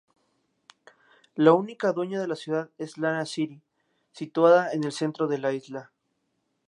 La única ciudad es Lānaʻi City, situada en el centro de la isla.